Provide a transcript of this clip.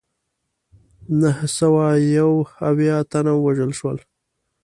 نهه سوه یو اویا تنه ووژل شول.